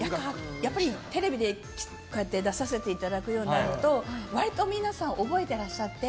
やっぱりテレビでこうやって出させていただくようになると割と皆さん、覚えてらっしゃって。